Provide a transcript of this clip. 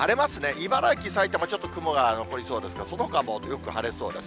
茨城、埼玉、ちょっと雲が残りそうですが、そのほかはよく晴れそうです。